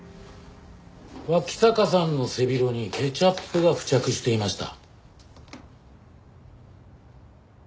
脇坂さんの背広にケチャップが付着していました。